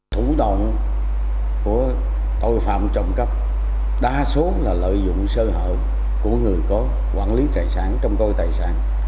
trộm cắp của tội phạm trộm cắp đa số là lợi dụng sơ hợp của người có quản lý tài sản trong coi tài sản